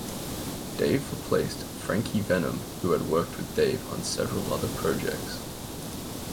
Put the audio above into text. Dave replaced Frankie Venom who had worked with Dave on several other projects.